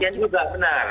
pasien juga benar